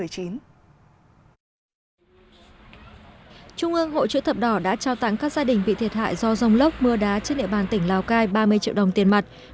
trung ương hội chữ thập đỏ đã trao tặng các gia đình bị thiệt hại do dòng lốc mưa đá trên địa bàn tỉnh lào cai ba mươi triệu đồng tiền mặt